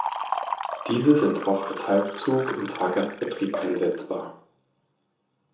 Diese sind auch als Halbzug im Fahrgastbetrieb einsetzbar.